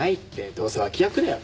どうせ脇役だよ。